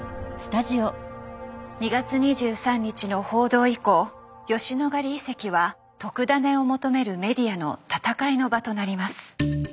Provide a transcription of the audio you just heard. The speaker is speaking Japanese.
２月２３日の報道以降吉野ヶ里遺跡は特ダネを求めるメディアの戦いの場となります。